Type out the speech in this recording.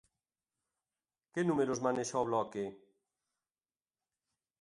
Que números manexa o Bloque?